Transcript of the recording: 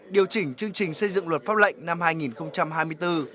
điều chỉnh chương trình xây dựng luật pháp lệnh năm hai nghìn hai mươi bốn